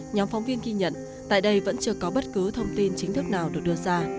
nhóm phóng viên ghi nhận tại đây vẫn chưa có bất cứ thông tin chính thức nào được đưa ra